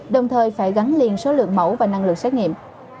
đồng thời phải gắn liền số lượng mẫu và năng lượng xét nghiệm